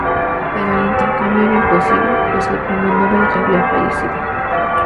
Pero el intercambio era imposible, pues el premio Nobel ya había fallecido.